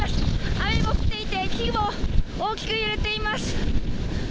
雨も降っていて、木も大きく揺れています。